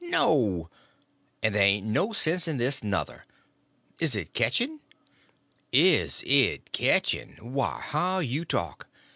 No. And ther' ain't no sense in this, nuther. Is it ketching?" "Is it ketching? Why, how you talk.